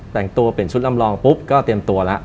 แต่งตัวเปลี่ยนชุดลำรองปุ๊บก็เตรียมตัวแล้ว